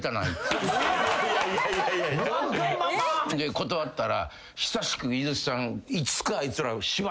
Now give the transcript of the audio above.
断ったら久しく井筒さん。